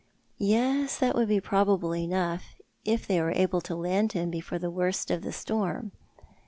" Yes, that would be probable enough, if they were able to land him before the worst of the storm."